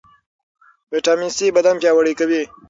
ویټامین سي بدن پیاوړی کوي.